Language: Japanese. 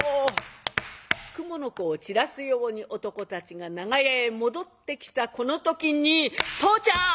くもの子を散らすように男たちが長屋へ戻ってきたこの時に「父ちゃん！」。